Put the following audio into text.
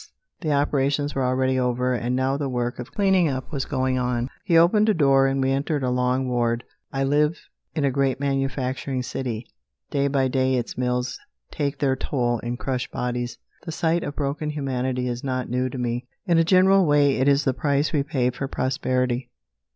The operations were already over, and now the work of cleaning up was going on. He opened a door, and we entered a long ward. I live in a great manufacturing city. Day by day its mills take their toll in crushed bodies. The sight of broken humanity is not new to me. In a general way, it is the price we pay for prosperity.